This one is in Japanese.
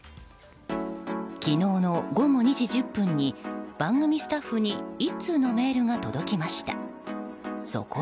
昨日の午後２時１０分に番組スタッフに１通のメールが届きました。